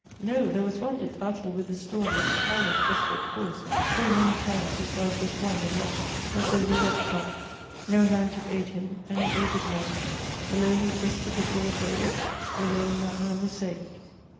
No, there was one did battle with the storm With careless desperate force; full many times His life was won and lost, as tho' he recked not No hand did aid him, and he aided none Alone he breasted the broad wave, alone That man was saved."